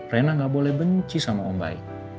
rena gak boleh benci sama om baik